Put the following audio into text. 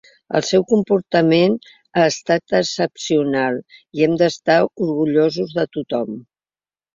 El seu comportament ha estat excepcional i hem d’estar orgullosos de tothom.